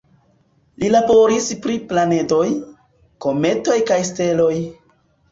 Li laboris pri planedoj, kometoj kaj steloj.